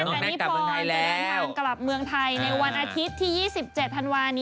น้องแนนทกับเมืองไทยแล้ว